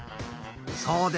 そうです。